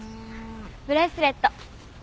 ブレスレット。